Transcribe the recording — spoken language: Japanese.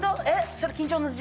えっ？